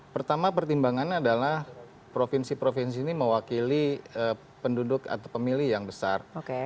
pertama pertimbangan adalah provinsi provinsi ini mewakili penduduk atau pemilih yang besar